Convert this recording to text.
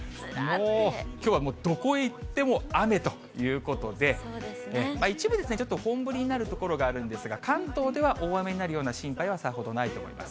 きょうはもうどこへ行っても雨ということで、一部でちょっと本降りになる所があるんですが、関東では大雨になるような心配はさほどないと思います。